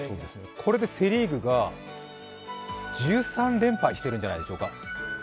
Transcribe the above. これでセ・リーグが１３連敗してるんじゃないでしょうか。